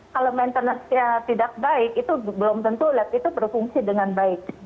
kalau maintenance nya tidak baik itu belum tentu lab itu berfungsi dengan baik